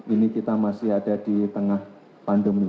ini kita masih ada di tengah pandemi